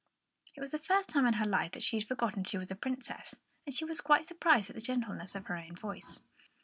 It was the first time in her life that she had forgotten she was a princess, and she was quite surprised at the gentleness of her own voice.